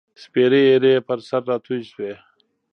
سپیرې ایرې یې پر سر راتوی شوې